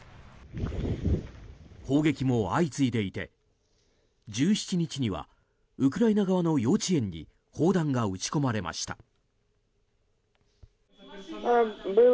砲撃も相次いでいて１７日にはウクライナ側の幼稚園に砲弾が撃ち込まれました。